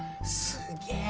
すっげえ！